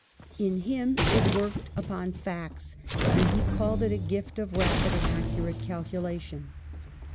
In him it worked upon facts, and he called it a gift of rapid and accurate calculation.